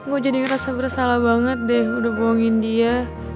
gue jadi ngerasa bersalah banget deh udah buangin dia